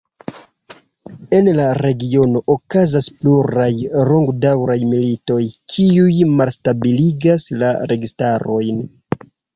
En la regiono okazas pluraj longdaŭraj militoj, kiuj malstabiligas la registarojn.